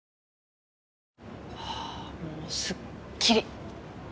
あーもうすっきり。